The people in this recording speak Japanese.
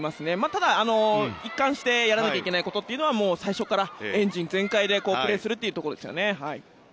ただ、一貫してやらなきゃいけないことというのはもう最初からエンジン全開でプレーするというところですね。